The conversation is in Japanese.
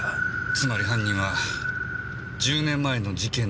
つまり犯人は１０年前の事件の関係者。